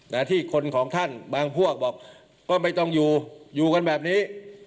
นะที่คนของท่านบางพวกบอกก็ไม่ต้องอยู่อยู่กันแบบนี้